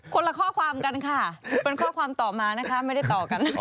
คนละข้อความกันค่ะเป็นข้อความต่อมานะคะไม่ได้ต่อกันนะคะ